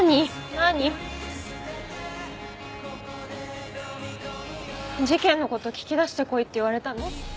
何？事件の事聞き出してこいって言われたの？